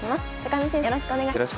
見先生よろしくお願いします。